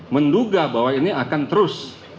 menduga bahwa ini akan terus